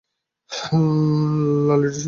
লাল ইটের সাথে বেটে প্রাথমিক চিকিৎসা করা হয়।